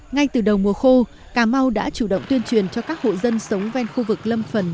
ngay từ đầu mùa khô cà mau đã chủ động tuyên truyền cho các hộ dân sống ven khu vực lâm phần